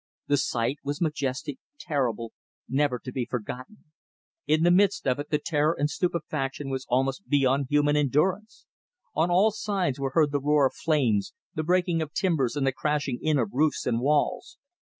The sight was majestic, terrible, never to be forgotten; in the midst of it the terror and stupefaction were almost beyond human endurance. On all sides were heard the roar of flames, the breaking of timbers and the crashing in of roofs and walls.